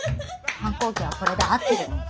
反抗期はこれで合ってるのか？